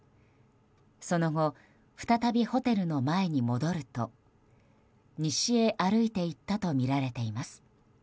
その後、再びホテルの前に戻ると西へ歩いていったとみられています。